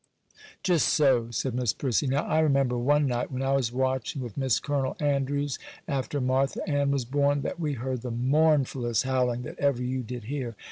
'Just so,' said Miss Prissy; 'now I remember one night, when I was watching with Miss Colonel Andrews, after Martha Ann was born, that we heard the mournfullest howling that ever you did hear.